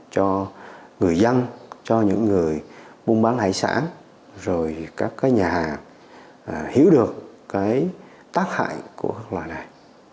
cho người dân cho những người buôn bán hải sản rồi các cái nhà hiểu được cái tác hại của các loài này